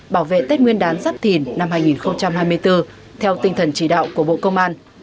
bảo vệ tết nguyên đán giáp thìn năm hai nghìn hai mươi bốn theo tinh thần chỉ đạo của bộ công an